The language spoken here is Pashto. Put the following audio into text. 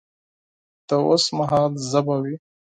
د اوس مهال ژبه وي